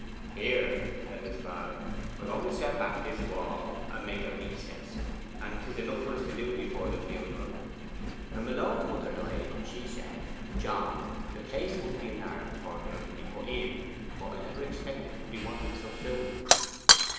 'Here,' said his father. 'We are going to set back this wall and make a recess; and 'tis enough for us to do before the funeral. When my lord's mother died, she said, "John, the place must be enlarged before another can be put in." But 'a never expected 'twould be wanted so soon.